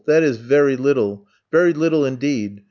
That is very little! Very little indeed!